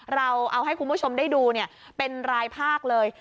เราเอาให้คุณผู้ชมได้ดูเป็นรายภาคเลย